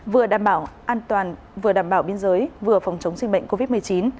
vừa đảm bảo an toàn vừa đảm bảo biên giới vừa phòng chống dịch bệnh covid một mươi chín